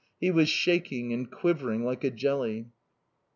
He was shaking and quivering like a jelly.